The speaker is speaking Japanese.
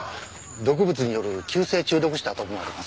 毒物による急性中毒死だと思われます。